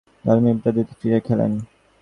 দশ মিলিগ্রামের দুটি ফ্রিজিয়াম খেলেন।